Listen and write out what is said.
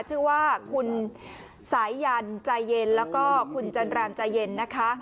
ชื่อว่าคุณสายันใจเย็นแล้วก็คุณจันรามใจเย็นนะคะ